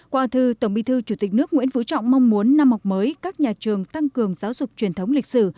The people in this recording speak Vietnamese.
qua thư tổng bí thư chủ tịch nước nguyễn phú trọng mong muốn năm học mới các nhà trường tăng cường giáo dục truyền thống lịch sử